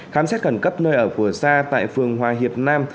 khám xét khẩn cấp nơi ở của sa tại phường hòa hiệp nam